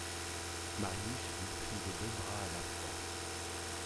Marius lui prit les deux bras à la fois.